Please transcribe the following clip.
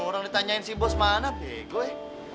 orang ditanyain si bos mana bego ya